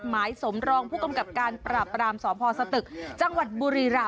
หมายสมรองผู้กำกับการปราบรามสพสตึกจังหวัดบุรีรำ